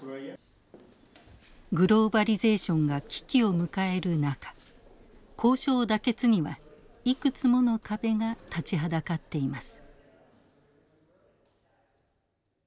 グローバリゼーションが危機を迎える中交渉妥結にはいくつもの壁が立ちはだかっています。